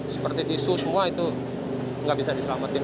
seperti tisu semua itu nggak bisa diselamatin